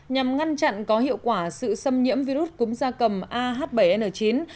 nhằm ngăn chặn có hiệu quả sự xâm nhiễm virus cúm da cầm ah bảy n chín